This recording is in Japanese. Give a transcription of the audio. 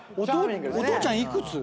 お父ちゃん幾つ？